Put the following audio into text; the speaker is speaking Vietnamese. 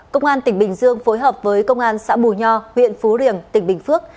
công an tỉnh bình dương phối hợp với công an xã bùi nho huyện phú điềng tỉnh bình phước